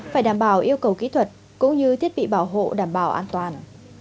phải đảm bảo yêu cầu kỹ thuật cũng như thiết bị bảo hộ đảm bảo an toàn